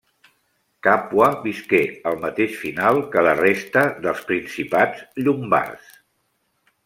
Càpua visqué el mateix final que la resta dels principats llombards.